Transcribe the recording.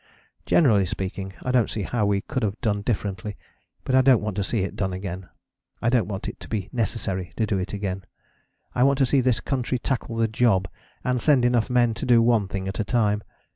Generally speaking, I don't see how we could have done differently, but I don't want to see it done again; I don't want it to be necessary to do it again. I want to see this country tackle the job, and send enough men to do one thing at a time.